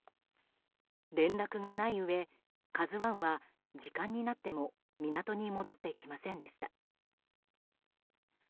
連絡がないうえ「ＫＡＺＵ１」は時間になっても港に戻ってきませんでした。